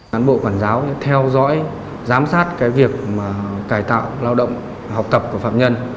cán bộ quản giáo theo dõi giám sát việc cải tạo lao động học tập của phạm nhân